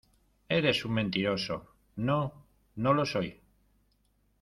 ¡ Eres un mentiroso! ¡ no, no lo soy !